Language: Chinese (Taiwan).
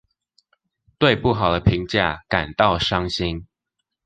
對不好的評價感到傷心